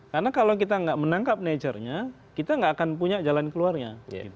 karena kalau kita tidak menangkap nature nya kita tidak akan punya jalan keluarnya